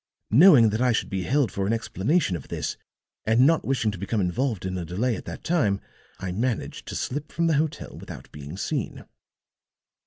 Knowing that I should be held for an explanation of this, and not wishing to become involved in a delay at that time, I managed to slip from the hotel without being seen.